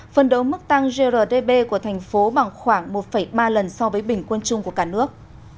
phân đấu mức tăng grdb của thành phố bằng khoảng một ba lần so với bình quân chung của cả nước